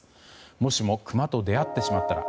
もしもクマと出会ってしまったら。